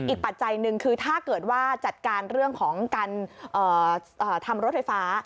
ปัจจัยหนึ่งคือถ้าเกิดว่าจัดการเรื่องของการทำรถไฟฟ้า